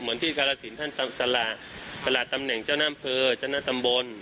เหมือนที่การสินท่านสละสละตำแหน่งเจ้าน่ำเภอเจ้าน่ะตำบล